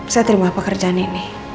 saya terima pekerjaan ini